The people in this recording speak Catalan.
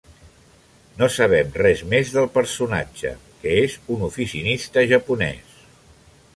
No sabem res més del personatge que és un oficinista japonès.